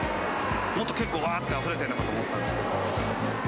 もっと結構、ばーってあふれてるのかと思ったんですけど。